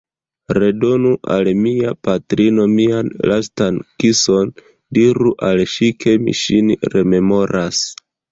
Redonu al mia patrino mian lastan kison, diru al ŝi, ke mi ŝin rememoras!